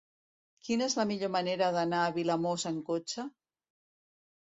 Quina és la millor manera d'anar a Vilamòs amb cotxe?